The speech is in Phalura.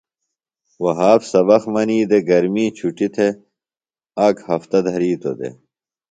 وھاب سبق منی دےۡ۔ گرمی چُٹیۡ تھےۡ آک ہفتہ دھرِیتوۡ دےۡ۔